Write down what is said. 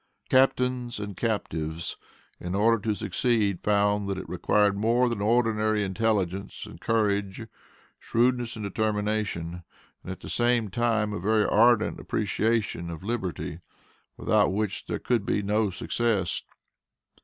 Captains and captives, in order to succeed, found that it required more than ordinary intelligence and courage, shrewdness and determination, and at the same time, a very ardent appreciation of liberty, without which, there could be no success.